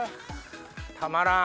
たまらん。